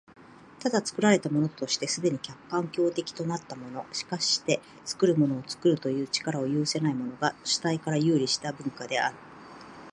ただ、作られたものとして既に環境的となったもの、しかして作るものを作るという力を有せないものが、主体から遊離した文化である。